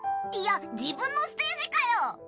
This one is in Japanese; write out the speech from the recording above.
いや自分のステージかよ！